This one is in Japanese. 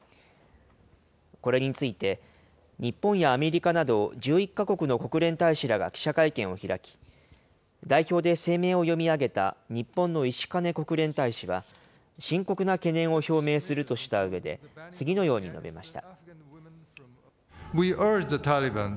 これについて、日本やアメリカなど１１か国の国連大使らが記者会見を開き、代表で声明を読み上げた日本の石兼国連大使は、深刻な懸念を表明するとしたうえで、次のように述べました。